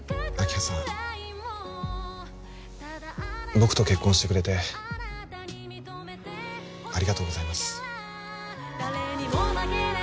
僕と結婚してくれてありがとうございます